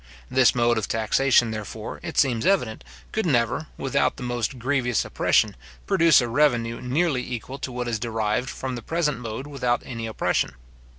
This mode of taxation, therefore, it seems evident, could never, without the most grievous oppression, produce a revenue nearly equal to what is derived from the present mode without any oppression.